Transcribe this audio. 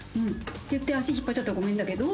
って言って足引っ張っちゃったらごめんだけど。